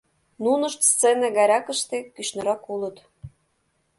Нунышт сцене гайракыште, кӱшнырак, улыт.